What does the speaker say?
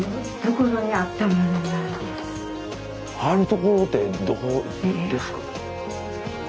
あるところってどこですか？